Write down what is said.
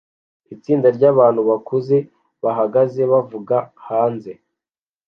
itsinda ryabantu bakuze bahagaze bavuga hanze